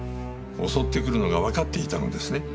襲ってくるのがわかっていたのですね。